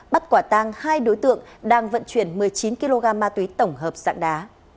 bắt quả tang hai đối tượng đang vận chuyển một mươi chín kg ma túy tổng hợp dạng đá